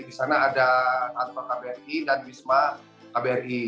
di sana ada kantor kbri dan wisma kbri